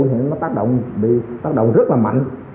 hiện nó tác động rất là mạnh